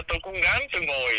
tôi cũng dám tôi ngồi